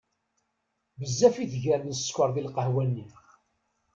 Bezzaf i tger n sskeṛ deg lqahwa-nni.